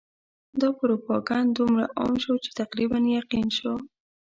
دا پروپاګند دومره عام شو چې تقریباً یقین شو.